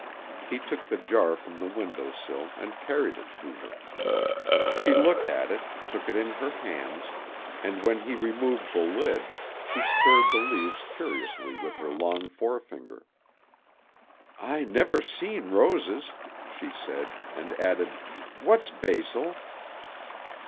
He took the jar from the window sill and carried it to her. She looked at it, took it in her hands, and when he removed the lid, she stirred the leaves curiously with her long forefinger. "I never seen roses," she said, and added, "What's basil?"